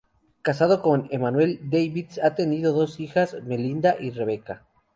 Casado con Emmanuelle Davis, han tenido dos hijas, Melinda y Rebecca.